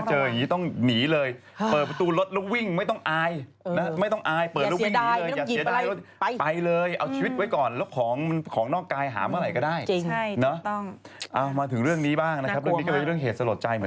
หมายถึงว่าช้ากว่าใช่มันไหม้มันฟึ๊บไหม้แบบอื้อฮือ